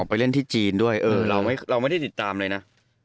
ไปเล่นที่จีนด้วยเราไม่ได้ติดตามเลยนะ